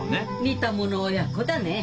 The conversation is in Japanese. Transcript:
似たもの親子だね。